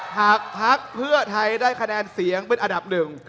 พักเพื่อไทยได้คะแนนเสียงเป็นอันดับหนึ่ง